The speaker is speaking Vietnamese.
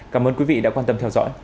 cảm ơn quý vị đã quan tâm theo dõi